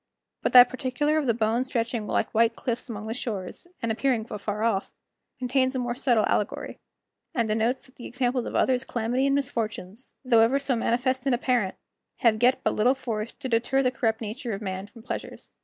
But that particular of the bones stretching like white cliffs along the shores, and appearing afar off, contains a more subtile allegory, and denotes that the examples of others' calamity and misfortunes, though ever so manifest and apparent, have yet but little force to deter the corrupt nature of man from pleasures.